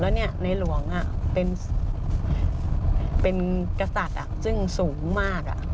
แล้วในหลวงเป็นกษัตริย์ซึ่งสูงมาก